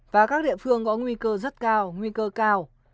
và các địa phương có nguy cơ rất cao nguy cơ cao